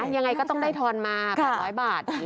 ยังไงก็ต้องได้ทอนมา๘๐๐บาท